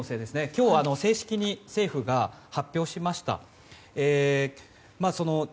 今日、正式に政府が発表しました。